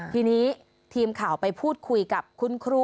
ทีนี้ทีมข่าวไปพูดคุยกับคุณครู